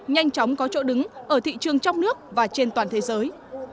nhanh chóng có chỗ đứng ở thị trường trong nước và trên toàn thế giới